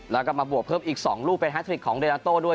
แล้วก็มาบวกเพิ่มอีก๒ลูกเป็นแฮทริกของเดนาโต้ด้วย